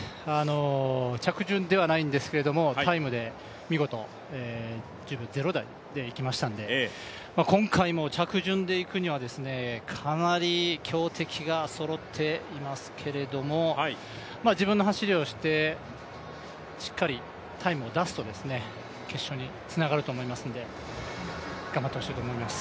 着順ではないんですけれどもタイムで見事１０秒０台でいきましたんで今回も着順でいくにはかなり強敵がそろっていますけれども、自分の走りをしてしっかりタイムを出すと決勝につながると思いますので頑張ってほしいと思います。